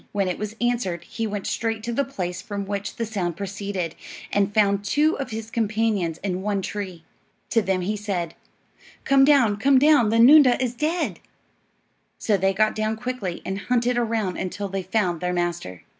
When it was answered he went straight to the place from which the sound proceeded, and found two of his companions in one tree. To them he said, "Come on; get down; the noondah is dead." So they got down quickly and hunted around until they found their master.